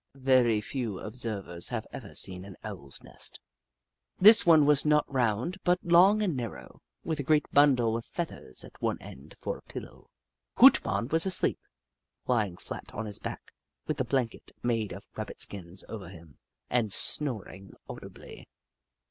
Very few observers have ever seen an Owl's nest. This one was not round, but long and narrow, with a great bundle of feathers at one end for a pillow. Hoot Mon was asleep, lying flat on his back, with a blanket made of Rabbit skins over him, and snoring audibly.